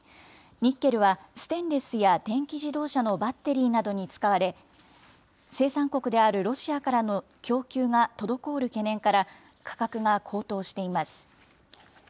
ニッケルは、ステンレスや電気自動車のバッテリーなどに使われ、生産国であるロシアからの供給が滞る懸念から、価格が高騰しています。